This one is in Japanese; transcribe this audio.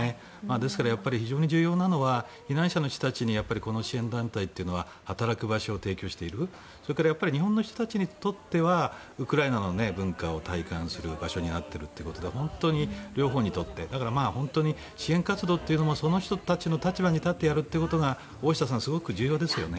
ですからやっぱり非常に重要なのは避難者の人たちにこの支援団体というのは働く場所を提供しているそれから日本の人たちにとってはウクライナの文化を体感する場所になっているということで本当に両方にとってだからまあ、支援活動というのもその人たちの立場に立ってやるということが大下さん、すごく重要ですよね。